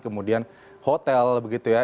kemudian hotel begitu ya